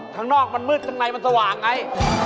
ข้างนอกมันมืดข้างในมันสว่างไง